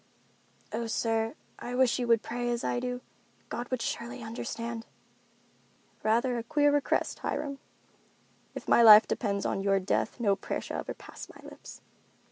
"Oh, sir, I wish you would pray as I do. God would surely understand." "Rather a queer request, Hiram. If my life depends upon your death no prayer shall ever pass my lips."